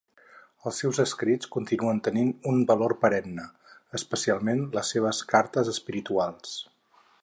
Els seus escrits continuen tenint un valor perenne, especialment les seves "Cartes espirituals".